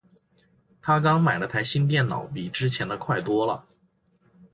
她刚买了台新电脑，比之前的快多了。